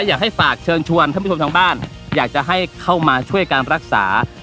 อยากให้ฝากเชิญชวนท่านผู้ชมทางบ้านอยากจะให้เข้ามาช่วยการรักษา